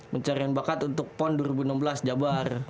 pencarian bakat untuk pon dua ribu enam belas jabar